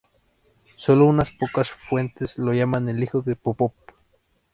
Sólo unas pocas fuentes lo llaman el hijo de Popov.